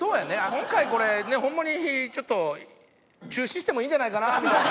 今回これホンマにちょっと中止してもいいんじゃないかなみたいな。